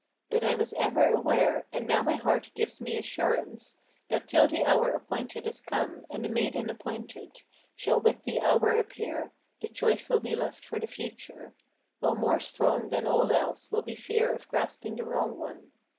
But I was ever aware, and now my heart gives me assurance, That till the hour appointed is come, and the maiden appointed Shall with the hour appear, the choice will be left for the future, While more strong than all else will be fear of grasping the wrong one.